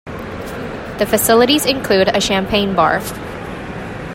The facilities include a champagne bar.